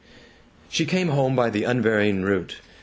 She came home by the unvarying route.